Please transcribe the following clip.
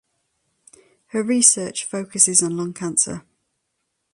Her research focuses on lung cancer.